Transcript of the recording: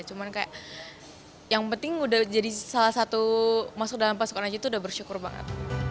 cuman kayak yang penting udah jadi salah satu masuk dalam pasukan aja tuh udah bersyukur banget